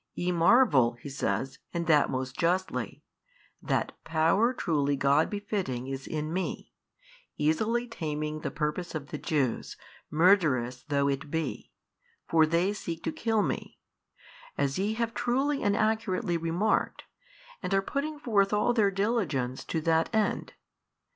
Ye marvel (He says) and that most justly, that Power truly God befitting is in Me, easily taming the purpose of the Jews, murderous though it be: for they seek to kill Me, as ye have truly and accurately remarked, and are putting forth all their diligence to that end.